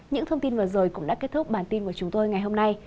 những thông tin vừa rồi cũng đã kết thúc bản tin của chúng tôi ngày hôm nay